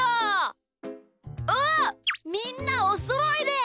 おみんなおそろいで！